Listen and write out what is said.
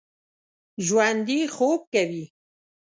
ژوندي خوب کوي